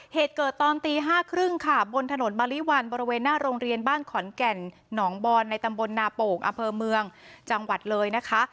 เหตุเกิดตอนตี๕๓๐ค่ะบนถนนมะลิวันบริเวณหน้าโรงเรียนบ้านขอนแก่นหนองบอนในตำบลนาโป่งอำเภอเมืองจังหวัดเลยนะคะ